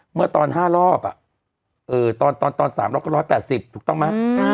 เมื่อตอน๕รอบตอน๓รอบก็๑๘๐ถูกต้องไหม